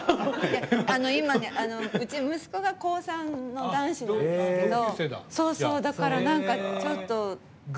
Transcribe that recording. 今、うち息子が高３の男子なんですけどだから、なんかちょっと。